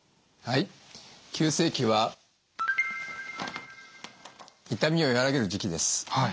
はい急性期は痛みをやわらげる時期です。